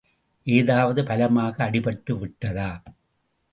ஏதாவது பலமாக அடிபட்டு விட்டதா?